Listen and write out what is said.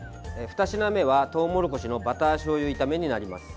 ２品目は、トウモロコシのバターしょうゆ炒めになります。